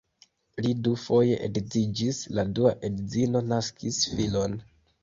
Li dufoje edziĝis, la dua edzino naskis filon.